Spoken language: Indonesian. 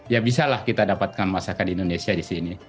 ya bisalah kita dapatkan masakan indonesia di sini